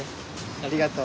ありがとう。